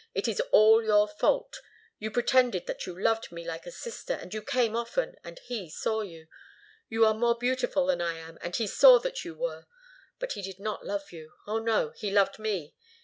It is all your fault. You pretended that you loved me like a sister, and you came often, and he saw you. You are more beautiful than I am, and he saw that you were. But he did not love you. Oh, no! He loved me.